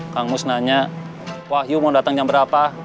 kang mus nanya wahyu mau datang jam berapa